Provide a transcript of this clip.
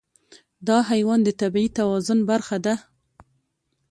دا حیوان د طبیعي توازن برخه ده.